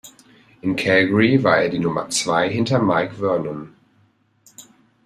In Calgary war er die Nummer zwei hinter Mike Vernon.